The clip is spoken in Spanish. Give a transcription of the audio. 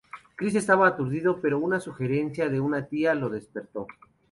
Chris estaba aturdido, pero una sugerencia de una tía lo despertó.